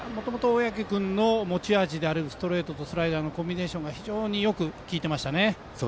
もともと小宅君の持ち味であるストレートとスライダーのコンビネーションが非常によく効いてましたね。